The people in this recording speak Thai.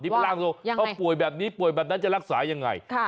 ว่ายังไงถ้าป่วยแบบนี้ป่วยแบบนั้นจะรักษายังไงค่ะ